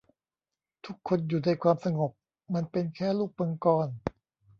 ทุกคนอยู่ในความสงบ มันเป็นแค่ลูกมังกร